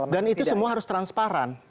dan itu semua harus transparan